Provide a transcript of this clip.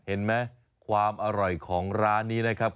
เห็นไหมความอร่อยของร้านนี้นะครับ